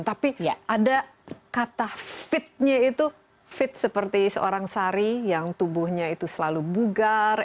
tapi ada kata fitnya itu fit seperti seorang sari yang tubuhnya itu selalu bugar